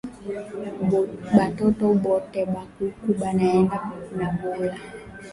Batoto bote ba kuku banaenda na nvula